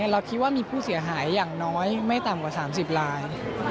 เราคิดว่ามีผู้เสียหายอย่างน้อยไม่ต่ำกว่า๓๐ลาย